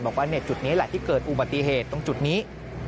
บอกว่าจุดนี้แหละที่เกิดอุบัติเหตุตรงจุดนี้